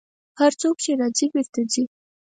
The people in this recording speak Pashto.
هر څوک چې راځي، بېرته ځي.